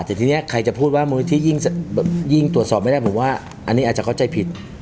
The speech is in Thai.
แต่ทีนี้ใครจะพูดว่ามูลนิธิยิ่งตรวจสอบไม่ได้ผมว่าอันนี้อาจจะเข้าใจผิด